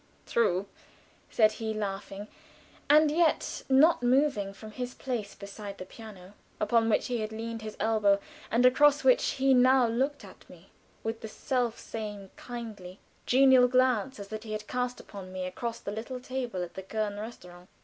"True," said he, laughing, and yet not moving from his place beside the piano, upon which he had leaned his elbow, and across which he now looked at me with the self same kindly, genial glance as that he had cast upon me across the little table at the Köln restaurant.